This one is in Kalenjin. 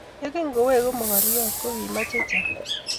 Ye kingoweku mokoriot ko ki mach chechang'